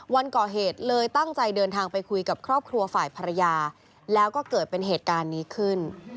วันก่อเหตุเลยตั้งใจเดินทางไปคุยกับครอบครัวฝ่ายภรรยาแล้วก็เกิดเป็นเหตุการณ์นี้ขึ้น